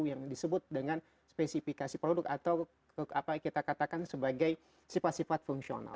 yang disebut dengan spesifikasi produk atau apa kita katakan sebagai sifat sifat fungsional